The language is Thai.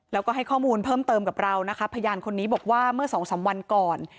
แล้วก็ให้ข้อมูลเพิ่มเติมกับเรานะคะพยานคนนี้บอกว่าเมื่อสองสามวันก่อน